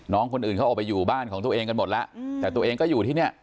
น้องคนอื่นเขาออกไปอยู่บ้านของตัวเองกันหมดแล้วแต่ตัวเองก็อยู่ที่เนี่ย